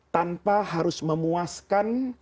tanpa harus memuaskan